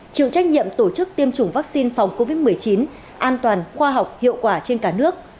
chịu trách nhiệm tổ chức tiêm chủng vaccine phòng covid một mươi chín an toàn khoa học hiệu quả trên cả nước